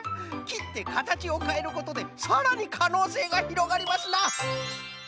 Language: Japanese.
きってかたちをかえることでさらにかのうせいがひろがりますな！